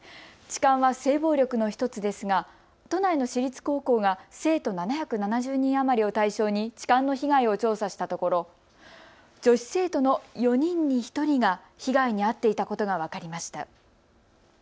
痴漢は性暴力の１つですが都内の私立高校が生徒７７０人余りを対象に痴漢の被害を調査したところ女子生徒の４人に１人が被害に遭っていたことが分かりました。